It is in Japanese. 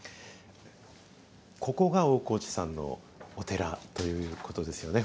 ここが大河内さんのお寺ということですよね。